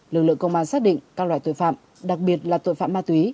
lực lượng công an xác định các loại tội phạm đặc biệt là tội phạm ma túy